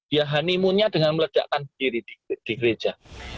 ya honeymoonnya dengan meledakkan diri di gereja